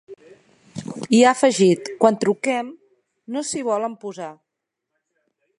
I ha afegit: ‘Quan truquem no s’hi volen posar’.